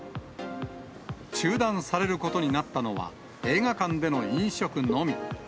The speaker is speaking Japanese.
中断されることになったのは、映画館での飲食のみ。